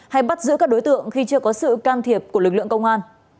hay bắt giữ các đối tượng khi chưa có sự can thiệp của lực lượng công an